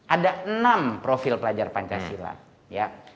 ada enam profil pelajar pancasila ya